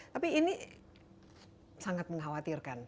tapi ini sangat mengkhawatirkan